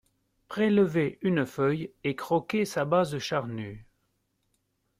Prélevez une feuille et croquez sa base charnue